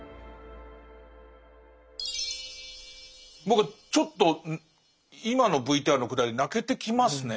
僕はちょっと今のＶＴＲのくだり泣けてきますね。